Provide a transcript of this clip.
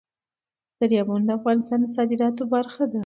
دریابونه د افغانستان د صادراتو برخه ده.